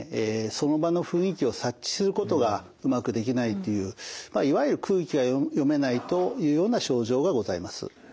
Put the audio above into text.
その場の雰囲気を察知することがうまくできないというまあいわゆる空気が読めないというような症状がございます。